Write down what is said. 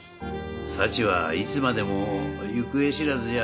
幸はいつまでも行方知らずじゃ